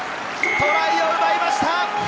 トライを奪いました！